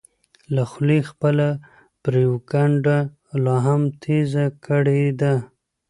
له خولې خپله پروپیګنډه لا هم تېزه کړې ده.